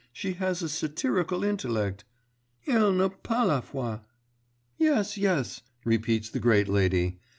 She has a satirical intellect ... elle n'a pas la foi.' 'Yes, yes,' repeats the great lady